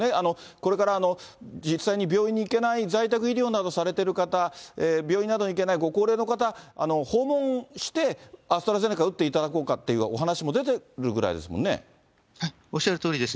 これから、実際に病院に行けない在宅医療などをされている方、病院などに行けないご高齢の方、訪問して、アストラゼネカを打っていただこうかというお話しも出てるぐらいおっしゃるとおりです。